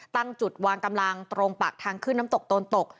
ตั้งจุดวางกำลังตรงปากทางขึ้นน้ำตกโตนตก